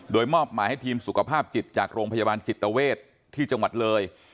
โดยมอบหมายให้ทีมสุขภาพจิตจากโรงพยาบาลจิตเวทที่จังหวัดเลย